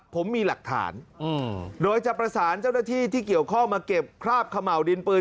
ผมมีหลักฐานโดยจะประสานเจ้าหน้าที่ที่เกี่ยวข้องมาเก็บคราบเขม่าวดินปืน